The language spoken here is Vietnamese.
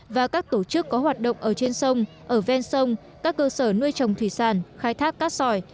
và các tổ chức có hoạt động ở trên sông ở ven sông các cơ sở nuôi trồng thủy sản khai thác cát sỏi